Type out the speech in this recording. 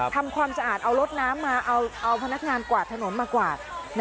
ทำความสะอาดเอารถน้ำมาเอาพนักงานกวาดถนนมากวาด